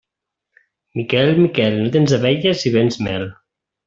Miquel, Miquel, no tens abelles i vens mel.